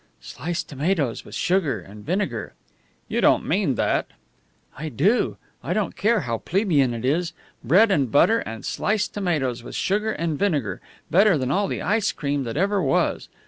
"Sliced tomatoes with sugar and vinegar!" "You don't mean that!" "I do! I don't care how plebeian it is. Bread and butter and sliced tomatoes with sugar and vinegar better than all the ice cream that ever was!